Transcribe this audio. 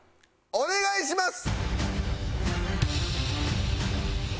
お願いします！